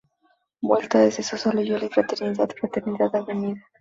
Vuelta: Desde Sosa Loyola y Fraternidad, Fraternidad, Av.